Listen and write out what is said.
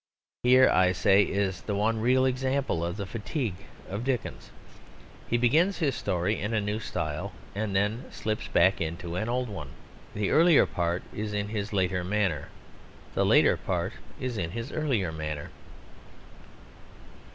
Here, I say, is the one real example of the fatigue of Dickens. He begins his story in a new style and then slips back into an old one. The earlier part is in his later manner. The later part is in his earlier manner.